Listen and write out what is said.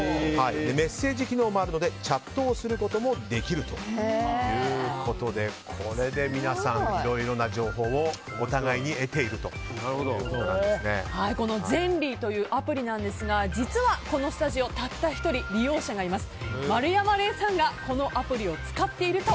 メッセージ機能もあるのでチャットをすることもできるということでこれで皆さん、いろいろな情報をお互いにｚｅｎｌｙというアプリですが実は、このスタジオたった１人利用者がいます。